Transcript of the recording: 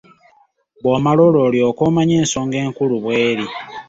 Bw'omala olwo olyoke omanye ensonga enkulu bw’eri.